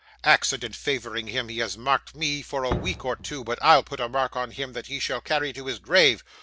Accident favouring him, he has marked me for a week or two, but I'll put a mark on him that he shall carry to his grave.